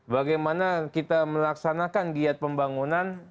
bagaimana kita melaksanakan giat pembangunan